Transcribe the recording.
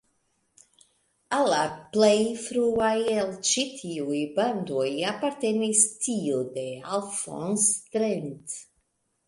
Al la plej fruaj el ĉi tiuj bandoj apartenis tiu de Alphonse Trent.